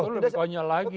itu lebih konyol lagi